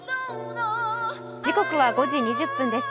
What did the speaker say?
時刻は５時２０分です。